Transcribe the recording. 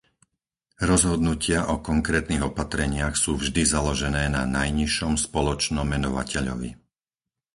Rozhodnutia o konkrétnych opatreniach sú vždy založené na najnižšom spoločnom menovateľovi.